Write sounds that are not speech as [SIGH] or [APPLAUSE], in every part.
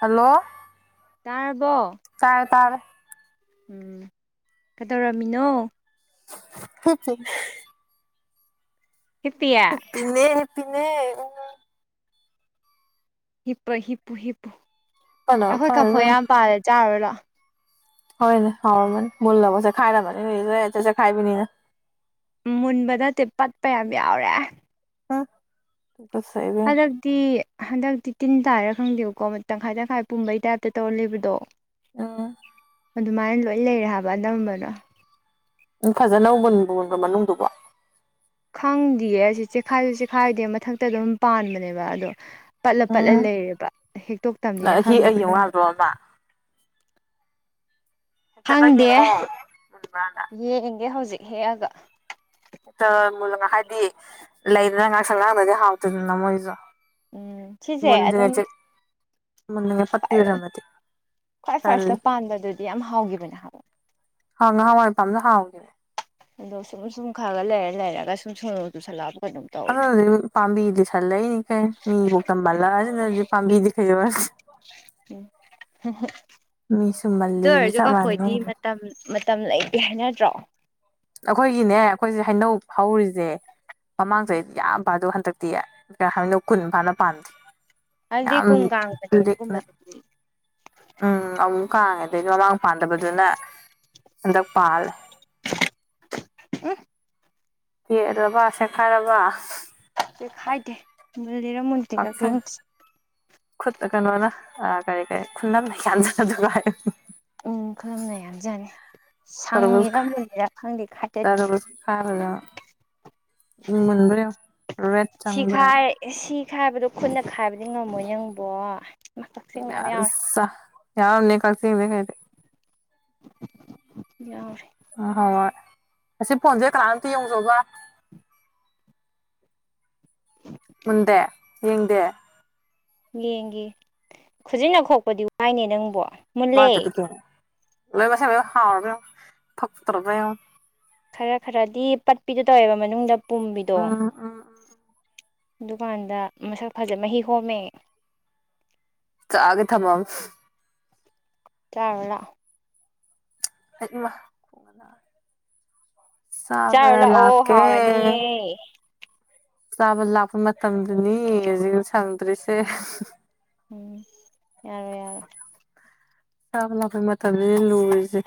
Hello ꯇꯥꯔ ꯇꯥꯏꯦ ꯇꯥꯔꯦ ꯎꯝ ꯀꯩꯗꯧꯔꯝꯃꯤꯅꯣ ꯍꯆ ꯍꯤꯞꯄꯤ ꯅꯦ ꯄꯦ ꯎ ꯍꯤꯞꯄ ꯍꯤꯞꯄꯨ ꯍꯤꯞꯄꯨ ꯐꯅ ꯑꯩꯈꯣꯏ ꯐꯔꯦ ꯀꯐꯣꯏ ꯏꯕꯦꯝꯃ ꯌꯥꯝ ꯄꯥꯜꯂꯦ ꯆꯥꯔꯨꯔ ꯂꯣ ꯍꯣꯏꯅꯦ ꯍꯅꯤ ꯃꯨꯜ ꯂꯕꯁꯦ ꯈꯥꯏꯅꯃꯅꯤꯁꯦ ꯈꯥꯏꯕꯤꯅꯤꯅ ꯃꯨꯟꯕ ꯅꯗꯤ ꯄꯠꯄ ꯌꯥꯝ ꯌꯥꯎꯔꯦ ꯎ ꯍꯗꯛꯗꯤ ꯍꯗꯛꯗꯤ ꯇꯤꯟ ꯇꯥꯏꯔ ꯈꯪꯗꯦꯕꯀꯣ ꯇꯪꯈꯥꯏ ꯇꯪꯈꯥꯏ ꯄꯨꯝꯕꯩ ꯇꯥꯏꯞꯇ ꯇꯧꯔ ꯂꯩꯕꯗꯣ ꯑꯗꯨ ꯑꯗꯨ ꯃꯥꯥꯏꯟ ꯂ ꯂꯩꯔꯕ ꯅꯝꯕꯅꯣ ꯎꯝ ꯐꯖꯅꯒꯨꯟꯕꯃꯗꯨꯕ ꯈꯪꯗꯦꯌꯦ ꯑꯁꯤꯁ ꯆꯦꯈꯥꯏꯁꯨ ꯆꯦꯈꯥꯏꯗꯤ ꯃꯊꯛꯇ ꯑꯗꯨꯝ ꯄꯥꯟꯕꯅꯦꯕ ꯑꯗꯣ ꯄꯠꯂ ꯄꯠꯂ ꯎꯝ ꯂꯩꯔꯦꯕ ꯅꯪ ꯍꯦꯛꯇꯣꯛꯇꯕꯅꯤꯅ ꯍꯦꯛꯑ ꯈꯪꯗꯦꯕ ꯌꯦꯡꯉꯨ ꯅꯨꯡꯗꯣ ꯌꯥꯗ꯭ꯔꯣ ꯑꯃ ꯍꯦꯛꯇꯠꯂ ꯍꯪꯗꯦ ꯌꯦꯡꯉꯣ ꯃꯨꯟꯕ꯭ꯔꯥꯅ ꯌꯦꯡꯒꯦ ꯍꯧꯖꯤꯛ ꯍꯦꯒ ꯨ ꯍꯥꯏꯗꯤ ꯂꯩꯗꯅ ꯉꯥꯡꯁꯪ ꯉꯥꯡꯗꯒꯤ ꯍꯥꯎꯇꯗꯅ ꯃꯣꯏꯁꯨ ꯎꯝ ꯁꯤꯁꯦ ꯃꯨꯟꯗ꯭ꯔꯤꯉꯩ ꯑꯗꯨꯝꯏ ꯆꯦꯛ ꯃꯨꯟꯗ꯭ꯔꯤꯉꯩ ꯄꯠꯄꯤꯔꯝꯃꯗꯤ ꯈ꯭ꯋꯥꯏ ꯇꯜꯂꯤ ꯐꯥꯔꯁꯇ ꯄꯥꯟꯕ ꯑꯗꯨꯗꯤ ꯌꯥꯝ ꯍꯥꯎꯈꯤꯕꯅꯦ ꯍꯥꯏ ꯍꯥꯡ ꯉꯍꯥꯟꯋꯥꯏ ꯃ ꯄꯄꯥꯝꯗ ꯍꯥꯎꯒꯦꯅꯦ ꯑꯗꯣ ꯁꯨꯝ ꯁꯨꯝ ꯈꯔꯒ ꯂꯩꯔ ꯂꯩꯔꯒ ꯁꯨꯝ ꯁꯨꯝꯨ ꯁꯜꯂꯛꯑ ꯑꯗꯨꯅꯗꯤ ꯄꯥꯝꯕꯤꯗꯤ ꯁꯟꯂꯛꯏꯅꯤ ꯀꯩ ꯃꯤꯕꯨꯥꯎ ꯇꯝꯕꯥꯜꯂ ꯑꯗꯨꯗꯗꯤ ꯄꯥꯝꯕꯤꯗꯤ ꯈꯩ ꯌꯧꯔꯁꯤ ꯎꯝ ꯍ ꯍ ꯃꯤꯁꯨ ꯑꯗꯨ ꯃꯜꯂꯤꯁꯤꯅꯤ ꯑꯣꯏꯔꯁꯨ ꯆꯞ ꯀꯐꯣꯏꯗꯤ ꯃꯥꯟꯅꯩ ꯃꯇꯝ ꯃꯇꯝ ꯂꯩꯇꯦ ꯍꯥꯏꯅꯠꯇ꯭ꯔꯣ ꯑꯩꯈꯣꯏꯒꯤꯅꯦ ꯑꯩꯈꯣꯏꯁꯦ ꯍꯩꯅꯧ ꯍꯧꯔꯤꯁꯦ ꯃꯃꯥꯡ ꯎꯝ ꯆꯍꯤꯩꯗꯤ ꯌꯥꯝꯕ ꯑꯗꯨꯣ ꯍ ꯍꯥꯛꯇꯛꯇꯤ ꯀꯩ ꯍꯥꯏꯕꯅꯣ ꯀꯨꯟ ꯐꯥꯅ ꯄꯥꯟꯗꯦ ꯑꯗꯨꯗꯤ ꯌꯥꯝ ꯀꯨꯝ ꯀꯥꯡꯕꯅꯦ ꯂꯔꯤꯛꯅ ꯑꯗꯨꯒꯨꯝꯕꯗꯨꯗꯤ ꯎꯝ ꯑꯃꯨꯛ ꯀꯥꯡꯉꯦ ꯑꯗꯩꯗꯤ ꯃꯃꯥꯡ ꯄꯥꯟꯗꯕꯗꯨꯅ ꯑꯗꯛꯄꯜ ꯎ ꯌꯦꯔꯕ ꯁꯦꯈꯥꯏꯔꯕ ꯈꯥꯏꯗꯦ ꯈꯨꯠ ꯀꯩꯅꯅ ꯀꯔꯤ ꯀꯦ ꯈ ꯈꯨꯂ ꯖ ꯎꯝ ꯈꯨꯂꯨꯝꯅ ꯌꯥꯝꯖꯥꯠꯅꯤ ꯇꯔꯒ ꯁꯪꯉꯤꯔ ꯃꯨꯜꯂꯤꯔ ꯈꯪꯗꯦ ꯈꯥꯏꯗꯠꯈꯤ ꯇꯔꯒꯁ ꯈꯥꯔ ꯃꯕ꯭ꯔꯦ ꯔꯦꯠ ꯆꯪꯕ꯭ꯔꯥ ꯈ ꯍꯥꯏꯕꯗꯣ ꯈꯨꯠꯅ ꯈꯥꯏꯕ ꯈꯗꯤꯡ ꯉꯝꯃꯣꯏ ꯅꯪꯕꯣ ꯃꯀꯛꯁꯤꯡ ꯃꯌꯥꯝ ꯌꯥꯎꯋꯦ ꯌꯥꯎ ꯅ ꯀꯁꯤꯕꯥꯢ ꯌꯥꯎꯔꯦ ꯑ ꯍꯣꯏ ꯍꯣꯏ ꯑꯁꯤ ꯐꯣꯟꯁꯦ ꯀꯅꯥ ꯑꯝꯇ ꯌꯦꯡꯖꯕ ꯌꯦꯡꯗꯦ ꯌꯦꯡꯒꯦ ꯈꯨꯖꯤꯅ ꯈꯣꯛꯄꯗꯤ ꯋꯥꯏꯅꯦ ꯅꯪꯕꯣ ꯇ ꯃꯨꯜꯂꯦ ꯑꯗꯨ ꯊ ꯂꯣꯏ ꯄꯁ ꯍꯥꯥꯎꯔ ꯐꯇꯔ ꯄ ꯈꯔ ꯈꯔꯗꯤ ꯄꯠꯄꯤꯗꯨꯣ ꯇꯧꯋꯦꯕ ꯃꯅꯨꯡꯗ ꯄꯨꯝꯕꯤꯗꯣ ꯎꯝ ꯎꯝ ꯗꯨꯀꯥꯟꯗ ꯃꯁꯛ ꯐꯖ ꯃꯍꯤ ꯍꯣꯝꯃꯦ ꯆꯥꯒꯦ ꯊꯃꯝ ꯀꯦꯔꯂꯥ ꯐ ꯆꯥꯔꯣ ꯂꯥꯛꯑꯣ ꯍꯥꯎꯔꯅꯤꯌꯦ ꯆꯥꯕ ꯂꯥꯛꯄ ꯃꯇꯝꯗꯅꯤ ꯍꯧꯖꯤꯛ ꯁꯪꯗ꯭ꯔꯤꯁꯦ ꯎꯝ ꯌꯥꯔꯣꯏ ꯌꯥꯔꯣꯏ ꯆꯕ ꯂꯥꯛꯄꯣꯏ ꯃꯇꯝꯗꯤ ꯂꯨꯁꯦ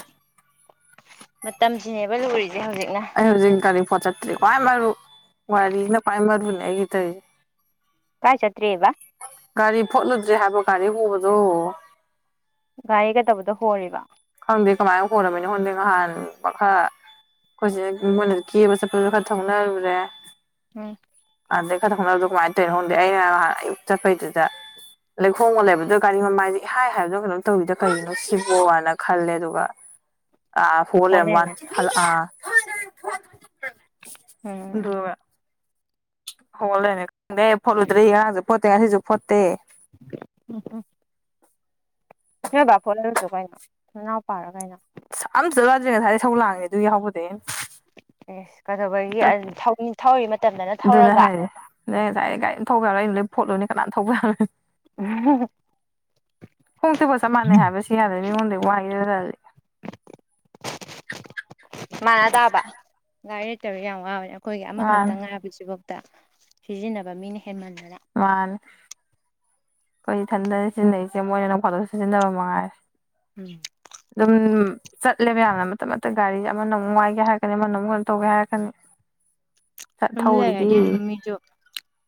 ꯃꯇꯝꯁꯤꯅꯦꯕ ꯂꯨꯔꯤꯁꯦ ꯍꯧꯖꯤꯛꯅ ꯑꯩ ꯍꯧꯖꯤꯡ ꯀꯅꯤ ꯐꯆꯠ ꯀꯥꯏ ꯔ ꯋꯥꯔꯤꯅ ꯄꯥꯏꯝꯃꯔꯕꯨ ꯒꯤꯇꯣꯏ ꯀꯥꯏ ꯆꯠꯇ꯭ꯔꯦꯕꯥ ꯒꯥꯔꯤ ꯐꯣꯠꯂꯨꯗ꯭ꯔꯦ ꯍꯥꯏꯕ ꯒꯥꯔꯤ ꯎꯕꯗꯣ ꯒꯥꯔꯤ ꯀꯩꯇꯗꯥ ꯍꯣꯔꯤꯕ ꯈꯡꯗꯦ ꯀꯃꯥꯏꯅ ꯍꯣꯔꯝꯃꯤꯅꯤꯅ ꯍꯣꯟꯗꯦ ꯉꯍꯥꯟ ꯃꯈꯔ ꯑꯩꯈꯣꯏꯆꯦ ꯃꯣꯏꯅ ꯀꯦꯕ ꯆꯠꯄꯒ ꯈꯔ ꯊꯧꯅꯔꯨꯔꯦ ꯎꯝ ꯑꯗꯩ [UNINTELLIGIBLE] ꯇꯩ ꯍꯣꯡꯗꯦ ꯑꯩꯅ ꯑꯌꯨꯛ ꯆꯠꯄꯩꯗꯨꯗ ꯂꯩꯈꯣꯝꯒ ꯂꯩꯕꯗꯨ ꯒꯥꯔꯤ ꯃꯃꯥꯏꯗꯨ ꯏꯍꯥꯏ ꯍꯥꯏꯒꯨꯝ ꯀꯩꯅꯣꯝ ꯇꯧꯔꯤꯗ ꯀꯩꯒꯤꯅꯣ ꯁꯤꯕꯣ ꯍꯥꯏꯅ ꯈꯜꯂꯦ ꯑꯗꯨꯒ ꯑ ꯍꯣꯂꯩꯔꯝꯕꯩ ꯍꯣꯜꯂꯦꯅ ꯋꯥꯅꯤ ꯍꯜ ꯑꯥ ꯎꯝ ꯍꯣꯂꯩꯔꯦ ꯗꯔꯦ ꯐꯂꯨꯗ꯭ꯔ ꯌꯥꯍꯖꯥꯞ ꯐꯣꯠꯇꯦ ꯉꯁꯤꯁꯨ ꯐꯣꯠꯇꯦ [UNINTELLIGIBLE] ꯅꯣꯏ ꯕꯥ ꯐꯣꯠꯍꯜꯂꯨ ꯆꯣ ꯀꯩꯅꯣ ꯅꯅꯥꯎꯄꯥ ꯔꯥ ꯀꯩꯅꯣ [UNINTELLIGIBLE] ꯌꯥꯍꯕꯗ ꯌꯦꯁ ꯀꯩꯗꯧꯕꯒꯤ ꯑꯟ ꯊꯧꯏ ꯊꯧꯔꯤ ꯃꯇꯝꯗꯅ ꯊꯧꯔꯒ ꯅ ꯉꯁꯥꯏ ꯒꯥꯔꯤ ꯊꯧꯕꯥꯌꯥꯔꯣꯏ ꯑꯩꯅꯥ ꯂꯣꯏꯅ ꯄꯣꯠꯂꯨꯅꯤ ꯀꯅꯥꯝ ꯊꯧꯕ ꯌꯥꯔꯣꯏ [INAUDIBLE] ꯈꯣꯡ ꯇꯦꯛꯄꯒ ꯆꯞ ꯃꯥꯟꯅꯩ ꯍꯥꯏꯕꯥ ꯁꯤꯍꯥꯏꯕꯥ ꯃꯤꯉꯣꯟꯗꯒꯤ ꯋꯥꯏ [UNINTELLIGIBLE] ꯃꯥꯅꯥ ꯇꯥꯕ ꯒꯥꯔꯤ ꯂꯩꯇꯕꯁꯤ ꯌꯥꯝ ꯋ꯭ꯥꯕꯅꯤ ꯑꯩꯈꯣꯏꯒꯤ ꯑꯃꯈꯛꯇ ꯃꯥꯅꯤ ꯉꯥꯔꯤꯕꯁꯤꯕꯣꯏ ꯇ ꯁꯤꯖꯤꯟꯅꯕ ꯃꯤꯅ ꯍꯦꯟꯃꯜꯂꯦ ꯃꯥꯅꯤ ꯑꯩꯈꯣꯏ ꯊꯟꯗꯅ ꯁꯤꯖꯤꯟꯅꯔꯤꯁꯦ ꯃꯣꯏꯅ ꯅꯣꯡꯐꯥꯗꯣꯛꯁꯨ ꯁꯤꯖꯤꯟꯅꯕ ꯃꯉꯥꯏꯔꯦ ꯎꯝ ꯑꯗꯨꯝ ꯆꯠꯂꯦꯕ ꯌꯥꯝꯅ ꯃꯇꯝ ꯃꯇꯝ ꯒꯥꯔꯤ ꯑꯃꯅ ꯑꯃꯨꯛ ꯋꯥꯏꯒꯦ ꯍꯥꯏꯔꯛꯀꯅꯤ ꯑꯃꯅ ꯑꯃꯨꯛ ꯀꯩꯅꯣ ꯇꯧꯒꯦ ꯍꯥꯏꯔꯛꯀꯅꯤ ꯑꯗꯨꯝ ꯊꯧꯔꯤꯗꯤ ꯂꯩꯔꯗꯤ ꯑꯗꯨꯝ ꯃꯤꯁꯨ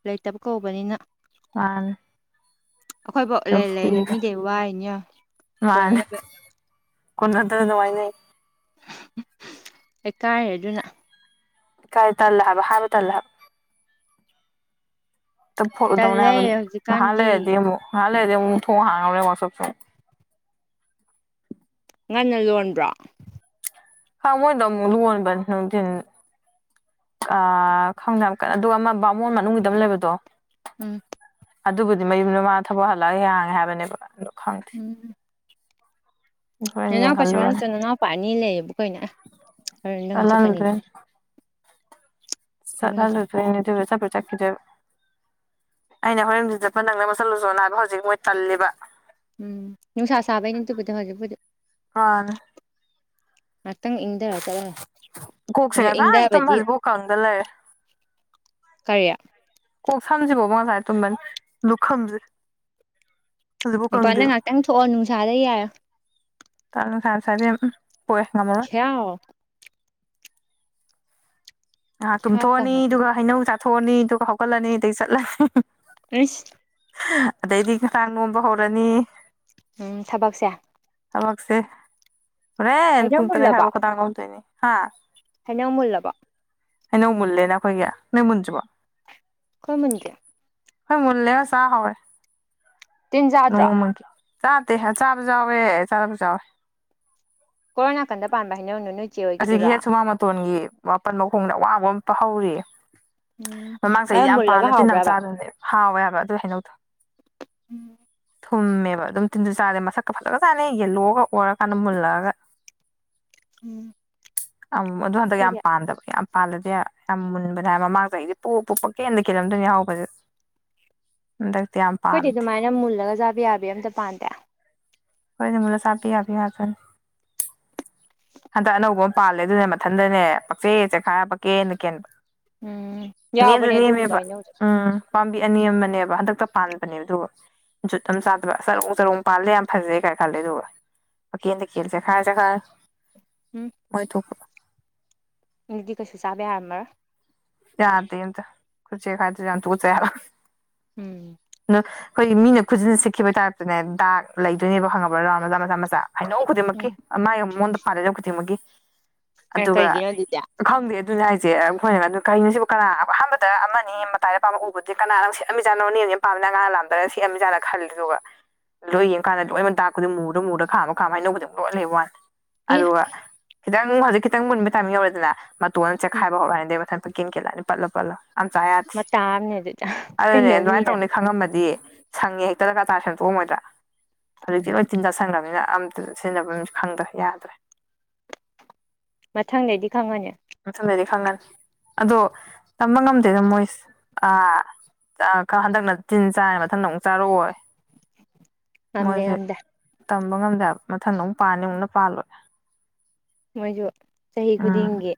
ꯂꯩꯇꯕ ꯀꯧꯕꯅꯤꯅ ꯃꯥꯅꯤ ꯑꯩꯈꯣꯏꯐꯥꯎ ꯑꯗꯨꯝ ꯂꯩꯅ ꯂꯩꯅ ꯄꯤꯔꯦ ꯃꯤꯗꯩ ꯋꯥꯅꯤ ꯀꯣꯟꯅꯅꯕ ꯀꯣꯟ [UNINTELLIGIBLE] ꯂꯩꯀꯥꯏꯔꯗꯨꯅ ꯀꯥꯏ ꯇꯜꯂꯥ ꯍꯥꯕ ꯍꯥꯏꯕ ꯇꯜꯂꯥ ꯍꯥꯕ ꯇ ꯐꯗꯅꯦ ꯇꯜꯂꯦ ꯍꯥꯏꯕ ꯍꯧꯖꯤꯛꯀꯥꯟꯗꯤ ꯉꯍꯥꯂꯩꯔꯗꯤ ꯑꯃꯨꯛ ꯂꯥꯗꯤ ꯑꯃꯨꯛ ꯊꯣꯡ ꯍꯟꯒꯔꯣꯏ ꯌꯦꯡꯒꯨ ꯋꯥꯎ ꯁꯣꯛꯁꯤ ꯑꯃꯨꯛ ꯉꯟꯅ ꯂꯣꯟꯕ꯭ꯔꯣ ꯈꯪ ꯃꯣꯏꯗꯣ ꯑꯃꯨꯛ ꯂꯣꯟꯕ ꯅꯨꯡꯊꯤꯟ ꯑ ꯈꯪꯗ ꯌꯥꯝ ꯀꯟꯅ ꯑꯗꯨꯒ ꯑꯃ ꯕꯥꯃꯣꯟ ꯃꯅꯨꯡꯒꯤꯗ ꯑꯃ ꯂꯩꯕꯗꯣ꯫ [INAUDIBLE] ꯑꯗꯨꯕꯨꯗꯤ ꯃꯌꯨꯝꯗꯨ ꯃꯥꯅ ꯊꯕꯛ ꯍꯜꯂꯒ ꯍꯥꯡꯉꯦ ꯍꯥꯏꯕꯅꯦꯕ ꯑꯗꯣ꯫ ꯈꯪꯗꯦ [INAUDIBLE] ꯍꯣꯔꯦꯟ ꯅꯅꯥꯎꯄꯥꯁꯤꯃ [UNINTELLIGIBLE] ꯌꯦꯡꯍꯜꯂꯨꯔꯅꯤ ꯆ ꯅꯅꯥꯎꯄꯥ ꯑꯅꯤ ꯂꯩꯌꯦꯕꯨ ꯀꯩꯅꯣ ꯑꯦ ꯅꯪ ꯆꯠꯀꯅꯤ꯫ ꯎꯝ ꯆꯠꯍꯜꯂꯨꯗꯣꯏꯅꯦ [UNINTELLIGIBLE] ꯆꯠꯈꯤꯗꯣꯏꯕ ꯑꯩꯅ ꯍꯣꯔꯦꯟꯗꯤꯟ ꯆꯠꯄ ꯅꯪꯅꯕ ꯆꯠꯂꯨꯆꯣꯅꯥ ꯍꯥꯏꯕ ꯍꯧ ꯎꯝ ꯅꯨꯡꯁꯥ ꯁꯥꯕꯩꯅꯤ ꯗꯨꯕꯨꯗꯤ ꯍꯧꯖꯤꯛꯄꯨꯗꯤ꯫ ꯃꯥꯅꯦ ꯉꯥꯛꯇꯪ ꯏꯪꯗꯔ ꯆ ꯀꯣꯛꯁꯦ ꯉꯁꯥꯏ ꯇꯨꯝꯕ ꯍꯧꯖꯤꯛꯐꯥꯎ ꯀꯪꯗ ꯂꯩꯔꯦ꯫ ꯀꯔꯤ꯫ ꯀꯣꯛ ꯁꯝꯁꯤꯕꯨꯕ ꯉꯁꯥꯏ ꯇꯨꯝꯕꯅꯦ ꯂꯨꯈꯝꯁꯦ꯫ ꯍꯧꯖꯤꯛꯐꯥꯎ ꯃꯄꯥꯟꯗ ꯀꯪꯗꯦꯕ ꯉꯍꯥꯛꯇꯪ ꯊꯣꯛꯑꯣ ꯅꯨꯡꯁꯥꯗ ꯌꯥꯏꯌꯣ꯫ ꯇꯟ ꯅꯨꯡꯁꯥ ꯌꯥꯝ ꯁꯥꯏꯕꯦꯝ꯫ ꯈ꯭ꯌꯥꯎ꯫ ꯉꯍꯥꯛ ꯈꯌꯥꯎ ꯇꯨꯝꯊꯣꯛꯑꯅꯤ ꯀꯪꯉꯗ ꯑꯗꯨꯒ ꯍꯩꯅꯧ ꯆꯥ ꯊꯣꯛꯑꯅꯤ ꯑꯗꯨꯒ ꯍꯧꯒꯠꯂꯅꯤ ꯑꯗꯒꯤ ꯆꯠꯂꯅꯤ꯫ ꯑꯩꯁ ꯑꯗꯩꯗꯤ [UNINTELLIGIBLE] ꯅꯣꯝꯕ ꯍꯧꯔꯅꯤ꯫ ꯎꯝ ꯊꯕꯛꯁꯦ꯫ ꯊꯕꯛꯁꯦ꯫ ꯍꯣꯔꯦꯟ ꯍꯩꯅꯧ ꯄꯨꯡ ꯇꯔꯦꯠ ꯃꯨꯜꯂꯕ ꯃꯈꯥꯏꯐꯥꯎ ꯈꯗꯥꯡ ꯅꯣꯝꯗꯣꯏꯅꯤ꯫ ꯍꯥꯥ꯫ ꯍꯩꯅꯧ ꯃꯨꯜꯂꯕꯣ꯫ ꯍꯩꯅꯧ ꯃꯨꯜꯂꯦꯅ ꯑꯩꯈꯣꯏꯒꯤ ꯅꯣꯏ ꯃꯨꯟꯗ꯭ꯔꯤꯕꯣ꯫ ꯈꯣꯏ ꯃꯨꯟꯗꯦ꯫ ꯍꯣꯏ ꯃꯨꯜꯂꯦ ꯆꯥ ꯍꯧꯔꯦ꯫ ꯇꯤꯟꯆꯥꯗ꯭ꯔꯥ꯫ ꯅꯣꯡꯃꯒꯤ ꯆꯥꯗꯦ ꯆꯥꯕꯁꯨ ꯌꯥꯎꯋꯦ ꯆꯥꯗꯕꯁꯨ ꯌꯥꯎꯋꯦ꯫ ꯀꯣꯔꯣꯝ ꯅꯥꯀꯟꯗ ꯄꯥꯟꯕ ꯍꯩꯅꯧꯅꯣ ꯅꯣꯏ ꯆꯦ [UNINTELLIGIBLE] ꯒꯤ ꯍꯣꯏꯒꯤꯗꯨꯔꯣ ꯍꯦꯛ ꯁꯨꯃꯥꯡ ꯃꯇꯣꯟꯒꯤ꯫ ꯋꯥꯄꯟ ꯃꯈꯣꯡꯗ ꯑꯋꯥꯕ ꯑꯃ ꯍꯧꯔꯤ꯫ ꯎꯝ ꯃꯃꯥꯡ ꯑꯗ ꯆꯍꯤꯗꯤ ꯌꯥꯝ ꯃꯨꯜꯂꯒ ꯄꯥꯜꯂ ꯇꯤꯟ ꯌꯥꯝ ꯍꯥꯎꯕ꯭ꯔꯕ ꯆꯥꯗꯅꯦ ꯍꯥꯎꯋꯦ ꯍꯥꯏꯕ ꯑꯗꯨ ꯍꯩꯅꯧꯗꯣ꯫ ꯎꯝ [UNINTELLIGIBLE] ꯃꯦꯕ ꯑꯗꯨꯝ ꯇꯤꯟꯖꯨ ꯆꯥꯗꯦ ꯃꯁꯛꯀ ꯐꯖꯒ ꯆꯥꯅꯤ ꯌꯦꯜꯂꯣꯒ ꯑꯣꯔꯀꯥꯟꯗ ꯃꯨꯜꯂꯛꯑꯒ꯫ [INAUDIBLE] [UNINTELLIGIBLE] ꯑꯗꯨꯣ ꯍꯟꯗꯛ ꯌꯥꯝ ꯑꯩꯈꯣꯏꯗꯤ ꯄꯥꯟꯗꯕ ꯌꯥꯝ꯫ ꯄꯥꯜꯂꯗꯤ ꯌꯥꯝ ꯃꯨꯟꯕꯅꯦ ꯍꯥꯏ ꯃꯃꯥꯡ ꯆꯍꯤꯗꯤ ꯄꯨꯞ ꯄꯨꯞ ꯄꯪꯀꯦꯟꯗ ꯀꯦꯜꯂꯝꯗꯣꯏꯅꯤ ꯑꯍꯥꯎꯕꯁꯦ꯫ ꯍꯣꯏꯗꯤ ꯑꯗꯨꯃꯥꯏꯅ ꯃꯨꯜꯂꯒ ꯆꯥꯕ ꯌꯥꯕ ꯑꯝꯇ ꯄꯥꯟꯗꯌꯥ [UNINTELLIGIBLE] ꯁꯥꯄꯤ [UNINTELLIGIBLE] ꯍꯟꯗꯛ ꯑꯅꯧꯕ ꯑꯃ ꯄꯥꯜꯂꯦ ꯑꯗꯨꯅꯦ ꯃꯊꯟꯗꯅꯦ ꯄꯛꯆꯦ ꯆꯦꯈꯥꯏꯔ ꯄꯛꯀꯦꯅ ꯀꯦꯟꯕ ꯎꯝ ꯅꯦꯝꯁꯨ ꯌꯥꯎꯕꯅꯦ ꯑꯗꯨꯒꯨꯝꯕ ꯅꯦꯝꯃꯦꯕ ꯍꯩꯅꯧꯁꯨ ꯎꯝ ꯄꯥꯝꯕꯤ ꯑꯅꯤꯦꯝ ꯑꯃꯅꯦꯕ ꯍꯟꯗꯛꯇ ꯄꯥꯟꯕꯅꯦꯕ ꯑꯗꯨꯒ ꯖꯨꯠ ꯑꯃ ꯆꯥꯗꯕ ꯆꯔꯨꯡ ꯆꯔꯨꯡ ꯄꯥꯜꯂꯦ ꯌꯥꯝ ꯐꯖꯩ ꯀꯥꯏꯅ ꯈꯜꯂꯦ ꯑꯗꯨꯒ ꯍꯀꯦꯟ ꯇꯀꯦꯜꯁꯦ ꯈꯔꯁꯦ ꯈꯥꯏ ꯎꯝ ꯍꯣꯏ ꯊꯣꯛ ꯑꯗꯨꯗꯤ ꯀꯩꯁꯨ ꯆꯥꯕ ꯌꯥꯔꯝꯃ꯭ꯔꯥ ꯌꯥꯗꯗ ꯈꯨꯨꯔꯆꯦ ꯈꯥꯏꯗ ꯌꯥ ꯇꯨꯁꯦ ꯌꯥꯔ ꯎꯝ ꯑꯩꯈꯣꯏ ꯃꯤꯅ ꯈꯨꯠꯁꯤꯟ ꯁꯤꯠꯈꯤꯕ ꯇꯥꯔꯞꯄꯅꯦ ꯗꯥꯛ ꯂꯩꯗꯣꯏꯅꯦꯕ ꯈꯪꯉꯕ꯭ꯔꯥ ꯔꯥꯎꯟ ꯃꯆꯥ ꯃꯆꯥ ꯃꯆꯥ ꯍꯩꯅꯧ ꯈꯨꯗꯤꯡꯃꯛꯀꯤ ꯎꯝ ꯑꯥꯏ ꯃꯉꯣꯟꯗ ꯃꯥꯔꯦ ꯂꯧ ꯀ ꯊꯃꯒꯤ ꯑꯦ ꯑꯗꯨꯒ ꯀꯩꯒꯤꯅꯣ ꯑꯗꯨꯗꯤ ꯈꯪꯗꯦ ꯑꯗꯨꯅ ꯍꯥꯏꯁ [UNINTELLIGIBLE] ꯀꯩꯅꯣꯁꯤꯕꯨ ꯀꯅꯥ ꯑꯍꯥꯟꯕꯗ ꯑꯃ ꯃꯇꯥꯏꯗ ꯄꯥꯝꯝꯕ ꯎꯕꯕꯨꯗꯤ ꯀꯅꯥ ꯅꯪ ꯁꯦꯑꯂꯝꯃꯤꯥꯠꯅꯣ ꯅꯅꯦꯅ ꯄꯥꯝꯅ ꯑꯉꯥꯡ ꯂꯥꯝꯗꯔꯒ ꯁꯠꯑꯃꯤꯖꯥꯠꯅ ꯈꯜꯂꯤꯦꯗꯨ ꯑꯗꯨꯒ ꯂꯣꯏ ꯌꯦꯡ ꯀꯀꯥꯟꯗ ꯂꯣꯏꯅ ꯇꯥꯛꯄꯗꯤꯝ ꯃꯨꯔꯣ ꯃꯨꯔ ꯈꯥꯝꯃ ꯈꯥꯝ ꯑꯅꯧꯕꯕꯨ ꯑꯗꯨꯝ ꯂꯣꯜꯂꯦꯕ ꯋꯥꯅꯤ ꯑꯦ ꯑꯗ ꯋꯥ ꯈꯤꯇꯪ ꯍꯧꯖꯤꯛ ꯈꯤꯇꯪ ꯃꯨꯟꯕ ꯊꯥꯃꯤ ꯌꯧꯔꯦꯗꯅ ꯇ ꯎꯝ ꯆꯦꯈꯥꯏꯕ ꯑꯣꯏꯔꯦ ꯄ ꯀꯡ ꯀꯂꯅꯤ ꯄꯜꯂ ꯄꯜꯂ ꯑꯆꯥ ꯌꯥꯗꯦ ꯃꯇꯥ ꯑꯃꯅꯦ ꯑꯗꯨꯗ ꯑꯗꯨꯅꯦ ꯑꯗꯨꯃꯥꯏꯅ ꯀꯩꯅꯣꯝꯅꯤꯅ ꯇꯧꯅꯤ ꯈꯪꯉꯝꯃꯗꯤ ꯁꯪꯉꯦ ꯍꯦꯛꯇꯗ ꯀ ꯆꯥꯔ ꯁꯟꯗꯣꯛꯑꯝꯃꯣꯏꯗꯥ ꯎꯝ ꯍꯧꯛꯗꯤ ꯑꯣꯏ ꯇꯤꯟ ꯇ ꯁꯒ꯭ꯔꯃꯤꯅ ꯑꯝꯇ ꯁꯤꯖꯤꯟꯅꯕꯝꯁꯨ ꯈꯪꯗ ꯌꯥꯗ꯭ꯔꯦ ꯃꯊꯪꯗꯩꯗꯤ ꯈꯪꯉꯅꯤ ꯁꯉꯦꯟ ꯑꯗꯣ ꯇꯝꯕ ꯉꯝꯗꯦꯗ ꯃꯣꯏꯁ ꯑꯥ ꯈ ꯍꯟꯗꯛꯅ ꯇꯤꯟ ꯆꯥꯏꯔ ꯃꯊꯟꯗ ꯑꯃꯨꯛ ꯆꯥꯔꯛꯑꯣ [UNINTELLIGIBLE] ꯌꯥꯝꯗ ꯇꯝꯕ ꯉꯝꯗꯦꯕ ꯃꯊꯟꯗ ꯑꯃꯨꯛ ꯄꯥꯅꯤ ꯑꯃꯨꯛꯅ ꯄꯥꯜꯂꯣꯏ ꯃꯣꯏꯁꯨ ꯆꯍꯤ ꯎꯝ ꯈꯨꯗꯤꯡꯒꯤ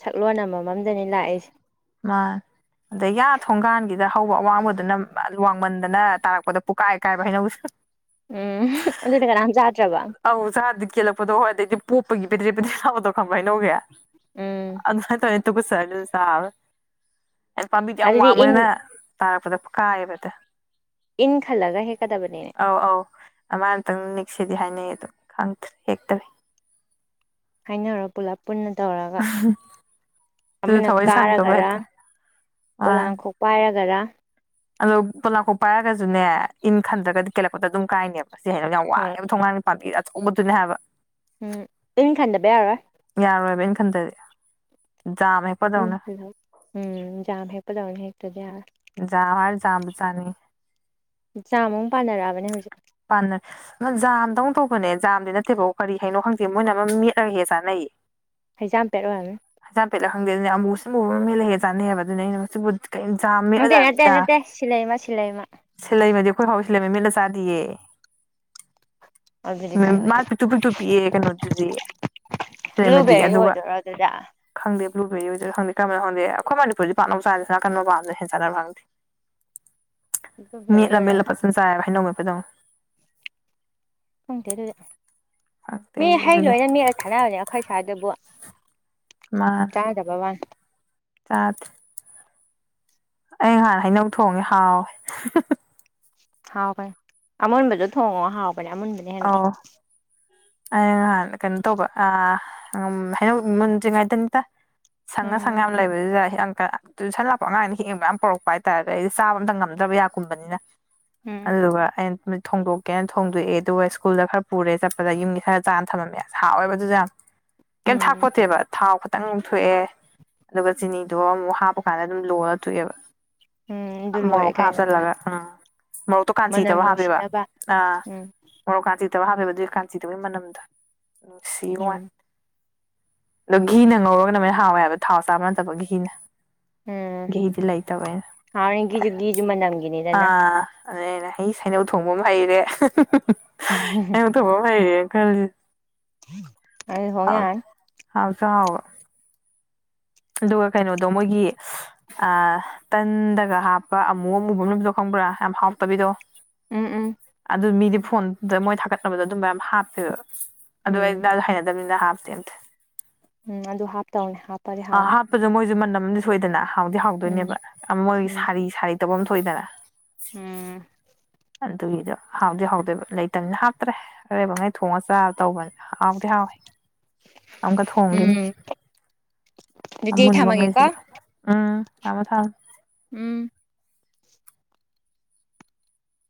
ꯁꯛꯂꯣꯟ ꯑꯃꯃꯝꯗꯅꯤ ꯂꯥꯛꯏꯁꯦ ꯁꯤꯗ ꯍꯧꯕ ꯑꯋꯥꯡꯕꯗꯨꯅ ꯋꯥꯡꯃꯟꯗꯅ ꯇꯥꯔꯛꯄꯗ ꯄꯨꯀꯥꯏ ꯀꯥꯏꯕ ꯍꯩꯅꯕꯨꯁꯨ ꯎꯝ ꯑꯗꯨꯗꯤ ꯀꯅꯥꯝ ꯆꯥꯗ꯭ꯔꯕ ꯀꯦꯜꯂꯛꯗꯣ ꯍꯣꯏꯗꯩꯗꯤ ꯄꯣꯞꯄꯒꯤ ꯑꯃ ꯄꯗ꯭ꯔꯦꯛ ꯄꯗ꯭ꯔꯦꯛ ꯂꯥꯎꯕꯗꯨ ꯈꯪꯕ ꯍꯥꯏꯅꯧꯒꯤ ꯎꯝ ꯑꯟꯁꯔ ꯇꯧ [UNINTELLIGIBLE] ꯑꯩ ꯄꯝꯕꯤꯗꯣ ꯌꯥꯝ ꯑꯗꯨꯗꯤ ꯏꯟ ꯋꯥꯡꯕꯅꯤꯅ ꯇꯥꯔꯛꯄꯗ ꯀꯥꯏꯌꯦꯕꯗ ꯏꯟ ꯈꯜꯂꯒ ꯍꯦꯛꯀꯗꯕꯅꯤꯅꯦ ꯑꯃꯅꯪ ꯅꯤꯛꯁꯤꯗꯤ ꯍꯥꯏꯅꯩ ꯑꯗꯨꯝ ꯈꯪꯗ꯭ꯔꯦ ꯍꯦꯛꯇꯔꯤ ꯍꯥꯏꯅꯔꯣ ꯄꯨꯂꯞ ꯄꯨꯟꯅ ꯇꯧꯔꯒ ꯑꯗꯨ ꯑꯃꯅ ꯊꯋꯥꯏ ꯁꯪꯗꯕ ꯀꯥꯔꯒꯔꯥ ꯍꯦꯛꯇ ꯃꯥꯅꯤ ꯄꯣꯂꯥꯡꯈꯣꯛ ꯄꯥꯏꯔꯒ ꯇꯒ ꯑꯗꯣ ꯄꯣꯂꯥꯡꯀꯣꯛ ꯄꯥꯏꯔꯒꯁꯨꯅꯦ ꯏꯟ ꯈꯟꯗ꯭ꯔꯒꯗꯤ ꯀꯦꯜꯂꯛꯄꯗ ꯑꯗꯨꯝ ꯀꯥꯏꯅꯦꯕ ꯅꯠꯇꯦ ꯌꯥꯝ ꯍꯣꯏ ꯋꯥꯡꯉꯦꯕ ꯊꯣꯡꯅꯥꯎ ꯅꯤꯄꯥꯥꯟꯕꯤꯗ ꯑꯣꯃꯗꯨꯅꯦ ꯍꯥꯏꯕ ꯎꯝ ꯏꯟ ꯈꯟꯗꯕ ꯌꯔꯣꯏ ꯌꯥꯔꯣꯏꯕ ꯏꯟ ꯈꯟꯗꯗꯤ ꯎꯝ ꯍꯜꯂꯣ ꯎꯝ ꯖꯥꯝ ꯍꯦꯛꯄ ꯗꯧꯅ ꯍꯦꯛ ꯠꯇꯗꯤ ꯖꯥꯝ ꯃꯆꯥꯅꯤ ꯖꯥꯝꯃꯨꯛ ꯄꯥꯟꯅꯔꯛꯑꯕꯅꯦ ꯍꯧꯖꯤꯛ ꯄꯥꯟꯅꯔꯦ ꯑꯃ ꯖꯥꯝꯗꯧꯅ ꯇꯧꯕꯅꯦ ꯖꯥꯝꯗꯤ ꯅꯠꯇꯦꯕ ꯀꯔꯤ ꯍꯥꯏꯅꯣ ꯈꯪꯗꯦ ꯃꯣꯏꯅ ꯑꯃ ꯃꯦꯠꯂꯒꯦ ꯆꯥꯅꯩꯌꯦ ꯍꯩꯖꯥꯝꯄꯦꯠ ꯑꯣꯏꯔꯝꯅꯤ ꯍꯩꯖꯝꯄꯦꯠꯂ ꯈꯪꯗꯦ ꯌꯥꯝ ꯃꯨ ꯍꯣ ꯃꯦꯠꯂꯒ ꯍꯦꯛ ꯆꯅꯩꯕ ꯗꯨꯨꯅꯦ ꯑꯩꯅ ꯃꯨꯟꯁꯨ ꯃꯨꯟ ꯖꯥꯝ ꯅꯠꯇꯦ ꯅꯠꯇꯦ ꯃꯦꯠꯂ ꯅꯠꯇꯦ ꯁꯤꯂꯩꯃ ꯁꯤꯂꯩꯃ ꯁꯤꯜꯍꯩꯕꯗꯤ ꯑꯩꯈꯣꯏ ꯍꯥꯎ ꯁꯤꯜꯍꯩꯕ ꯃꯤꯠꯂ ꯇꯗꯤꯌꯦ ꯑꯗꯨꯗꯤ ꯎꯝ ꯀꯩ ꯃꯥ ꯑꯣꯏꯗꯣꯏꯅꯣ ꯄꯤꯛꯇꯨ ꯄꯤꯛꯇꯨ ꯄꯤꯛꯑꯦ ꯀꯩꯅꯣꯗꯨꯗꯤ ꯁꯤꯗꯃꯗꯤ ꯕ꯭ꯂꯨꯕꯦꯔꯤ ꯑꯗꯨꯒ ꯑꯣꯏꯗꯣꯏꯔꯣ ꯑꯗꯨꯗꯤ ꯈꯪꯗꯦ ꯕ꯭ꯂꯨꯕꯦꯔꯤ ꯑꯣꯏꯗꯨꯏꯔ ꯈꯪꯗꯦ ꯀꯃꯥꯏꯅ ꯈꯪꯗꯦꯈꯣꯏ ꯃꯅꯤꯄꯨꯔꯗꯤ ꯄꯥꯛꯅ ꯆꯥꯗꯦꯅ ꯑꯁꯣꯟ ꯃꯄꯥꯟꯗꯅ ꯍꯦꯟꯅ ꯆꯥꯟꯅꯕ ꯈꯪꯗꯦ ꯕ꯭ꯂꯨꯕꯦꯔꯤ ꯃꯦꯠꯂ ꯃꯦꯠꯂ ꯑꯣꯏꯔꯝ ꯐꯖꯟꯅ ꯆꯥꯏꯑꯕ ꯍꯩꯅꯧ ꯑꯗꯣ ꯈꯪꯗꯦꯗꯨꯗꯤ ꯈꯪꯗꯦ ꯃꯤ ꯑꯩꯁꯨ ꯍꯩ ꯑꯗꯨꯅꯦ ꯂꯣꯏꯅ ꯃꯤꯠꯂ ꯁꯥꯟꯅꯕꯅꯦ ꯑꯩꯈꯣꯏ ꯁꯋ꯭ꯥꯏꯗꯕꯨ ꯆꯥꯗꯋꯥꯟꯅꯦ ꯆꯗꯦ ꯑꯩ ꯅꯍꯥꯟ ꯍꯩꯅꯧ ꯊꯣꯡꯉꯦ ꯍꯥꯎꯋꯦ ꯍꯥꯎꯅꯕꯦ ꯑꯃꯨꯟꯕꯗꯣ ꯊꯣꯡꯉꯣ ꯍꯥꯎꯕꯅꯦ ꯑꯃꯨꯟꯕꯅꯦ ꯍꯦꯟꯅ ꯑ ꯀꯩꯅ ꯇꯣꯕ ꯑ ꯎ ꯍꯥꯏꯅ ꯃꯨꯟꯗ꯭ꯔꯤꯉꯩꯗꯅꯤꯇ ꯁꯪꯅ ꯎꯝ ꯁꯥꯡꯉꯅꯝꯏꯕ ꯍ ꯇꯨꯏꯁꯟ ꯂꯥꯛꯄ ꯑꯉꯥꯡꯅ ꯍꯦꯡꯕ ꯃꯌꯥꯝ ꯄꯔꯛꯄ ꯍꯥꯏꯇꯥꯔꯦ ꯑꯗ ꯑꯩꯗꯤ ꯆꯥ ꯑꯝꯇ ꯉꯝꯗ꯭ꯔꯕ ꯌꯥꯒꯨꯝꯕꯅꯤꯅ ꯎꯝ ꯑꯜꯒ [UNINTELLIGIBLE] ꯊꯣꯡꯗꯣꯛꯀꯦꯅ ꯊꯣꯡꯗꯣꯛꯑꯦ ꯑꯗꯨꯒ ꯁ꯭ꯀꯨꯜꯗ ꯈꯔ ꯄꯨꯔꯦ ꯆꯠꯄꯗ ꯌꯨꯝꯒꯤ ꯈꯔ ꯆꯥꯅ ꯊꯝꯃꯝꯃꯦ ꯑꯁ ꯍꯥꯎꯋꯦꯕꯗꯨꯁꯨ ꯌꯥꯝ ꯀꯩꯝ ꯎꯝ ꯊꯥꯛꯄꯣꯠꯇꯦꯕ ꯊꯥꯎ ꯈꯤꯇꯪ ꯑꯃꯨꯛ ꯊꯣꯛꯑꯦ ꯑꯗꯨꯒ ꯆꯤꯅꯤꯗꯣ ꯑꯃꯨꯛ ꯍꯥꯞꯄ ꯀꯥꯟꯗ ꯑꯗꯨꯝ ꯂꯣꯜꯂ ꯊꯣꯛꯑꯦꯕ ꯎꯝ ꯑꯗꯨ ꯃꯣꯔ ꯂꯣꯏꯔꯦ ꯀꯩꯅꯣ ꯈꯥꯥꯁꯦꯂꯒ ꯎꯝ ꯃꯔꯣꯛꯇꯣ ꯃꯅꯝ ꯀꯥꯟꯁꯤꯗꯕ ꯍꯥꯞꯄꯦꯕ ꯅꯨꯡꯁꯤꯅꯕ ꯑ ꯎꯝ ꯀꯥ ꯆꯤꯗꯕ ꯍꯥꯞꯕꯗꯨꯏ ꯀꯥ ꯆꯤꯗꯕꯒꯤ ꯃꯅꯝꯗ ꯁꯤ ꯋꯥꯟ ꯎꯝ ꯑꯣ ꯘꯤꯅ ꯉꯧꯔꯒꯅ ꯃꯣꯏꯅ ꯍꯥꯎꯋꯦ ꯍꯥꯏꯕ ꯊꯥꯎ ꯆꯥꯕ ꯅꯠꯇꯕ ꯘꯤꯅ ꯎꯝ ꯘꯤꯗꯤ ꯂꯩꯇꯕꯩꯅ ꯍ ꯒꯤꯁꯨꯨ ꯒꯤꯖꯨ ꯃꯅꯝꯒꯤꯅꯤꯗꯅ ꯑꯗꯨꯩꯅ ꯍꯩ ꯁꯩꯅꯧ ꯊꯣꯡꯕ ꯑꯃ ꯍꯩꯔꯦ ꯏꯉ ꯇ ꯍ ꯍꯒ ꯀꯖꯦ ꯍꯅ ꯑ ꯍꯏ ꯍꯥꯎꯁꯨ ꯍꯥꯎꯕ ꯑꯗꯨꯒ ꯀꯩꯅꯣꯗꯣ ꯃꯣꯏꯒꯤ ꯇꯟꯗꯒ ꯍꯥꯞꯄ ꯑꯃꯨ ꯑꯃꯨꯕ ꯂꯗꯣ ꯈꯪꯕ꯭ꯔꯥ ꯌꯥꯝ ꯍꯥꯎꯇꯕꯤꯗꯣ ꯎꯝ ꯎꯝ ꯑꯗꯨ ꯑꯗꯨ ꯃꯤꯗꯤ ꯐꯣꯟꯗ ꯃꯣꯏ ꯊꯥꯒꯠꯅꯕꯗ ꯑꯗꯨꯝ ꯃꯌꯥꯝ ꯍꯥꯞꯄ ꯎꯝ ꯑꯗꯨꯗ ꯍꯥꯏ ꯃꯤ ꯍꯥꯞꯇꯦ ꯎꯝ ꯑꯗꯨ ꯍꯥꯞꯇꯧꯅꯦ ꯍꯥꯞꯄꯔꯦ ꯍꯥꯡꯉ ꯝꯗꯤ ꯁꯣꯏꯗꯅ ꯍꯥꯎꯗꯤ ꯍꯥꯎꯗꯣꯏꯅꯦꯕ ꯃꯣꯏꯒꯤ ꯎꯝ ꯁꯥꯔꯤ ꯁꯥꯔꯤ ꯇꯐꯝ ꯑꯃ ꯊꯣꯛꯏꯗꯅ ꯎꯝ ꯑꯗꯨꯒꯤꯗꯣ ꯍꯥꯎꯗꯤ ꯍꯥꯎꯗꯣꯏꯕ ꯂꯩꯇꯕꯅꯤꯅ ꯍꯥꯞꯇ꯭ꯔꯦ ꯑꯔꯩꯕꯉꯩ ꯊꯣꯡꯉꯒ ꯆꯔ ꯇꯧꯕꯅꯤ ꯑꯥꯎꯗꯤ ꯍꯥꯥꯎ ꯑꯃꯨꯀ ꯊꯣꯡꯒꯦꯅꯤ ꯎꯝ ꯑꯗꯨꯗꯤ ꯑꯩ ꯃꯕ ꯊꯝꯃꯒꯦꯀꯣ ꯉꯩꯁꯤꯒ ꯎꯝ ꯊꯥꯃ ꯊꯃ ꯎꯝ